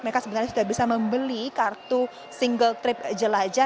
mereka sebenarnya sudah bisa membeli kartu single trip jelajah